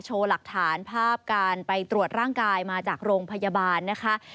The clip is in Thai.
หลักฐานภาพการไปตรวจร่างกายมาจากโรงพยาบาลนะคะ